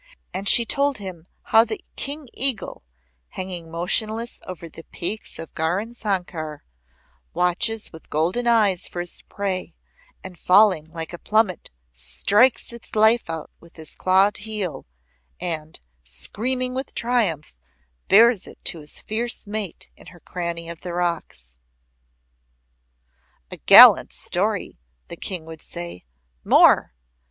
And she told how the King eagle, hanging motionless over the peaks of Gaurisankar, watches with golden eyes for his prey, and falling like a plummet strikes its life out with his clawed heel and, screaming with triumph, bears it to his fierce mate in her cranny of the rocks. "A gallant story!" the King would say. "More!"